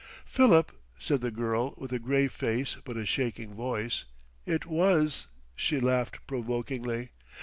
"Philip," said the girl with a grave face but a shaking voice, "it was." She laughed provokingly....